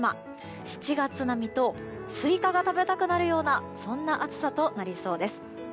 ７月並みとスイカが食べたくなるようなそんな暑さとなりそうです。